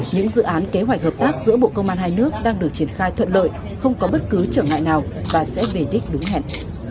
những dự án kế hoạch hợp tác giữa bộ công an hai nước đang được triển khai thuận lợi không có bất cứ trở ngại nào và sẽ về đích đúng hẹn